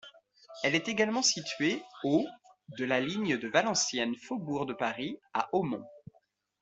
Elle est également située au de la ligne de Valenciennes-Faubourg-de-Paris à Hautmont.